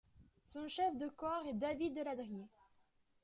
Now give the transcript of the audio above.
Son chef de corps est David Deladrier.